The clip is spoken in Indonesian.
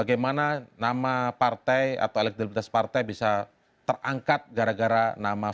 di prioritas paling pertama